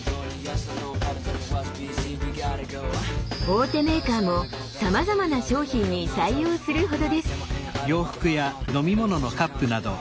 大手メーカーもさまざまな商品に採用するほどです。